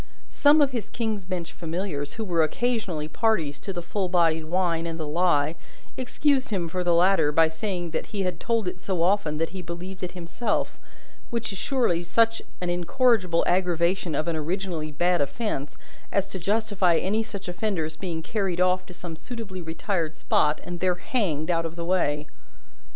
Some of his King's Bench familiars, who were occasionally parties to the full bodied wine and the lie, excused him for the latter by saying that he had told it so often, that he believed it himself which is surely such an incorrigible aggravation of an originally bad offence, as to justify any such offender's being carried off to some suitably retired spot, and there hanged out of the way.